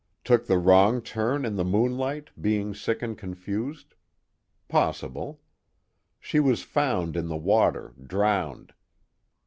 Took the wrong turn in the moonlight, being sick and confused? possible. She was found in the water, drowned.